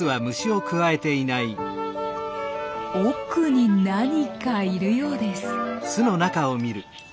奥に何かいるようです。